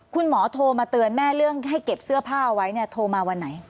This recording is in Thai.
โทรมาเตือนแม่เรื่องให้เก็บเสื้อผ้าเอาไว้เนี่ยโทรมาวันไหน